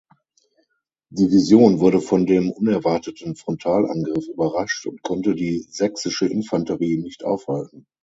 Division wurde von dem unerwarteten Frontalangriff überrascht und konnte die sächsische Infanterie nicht aufhalten.